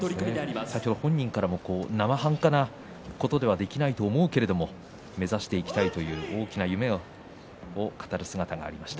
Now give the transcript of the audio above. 本人からも、なまはんかなことでできないと思うけれども目指していきたいという大きな夢を語る姿がありました。